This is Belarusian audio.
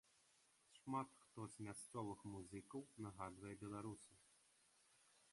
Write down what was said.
Шмат хто з мясцовых музыкаў нагадвае беларусаў.